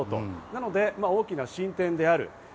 なので大きな進展である。